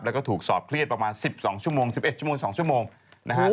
แล้วก็ถูกสอบเครียดประมาณ๑๒ชั่วโมง๑๑ชั่วโมง๒ชั่วโมงนะฮะ